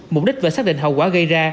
mục đích và xác định hậu quả gây ra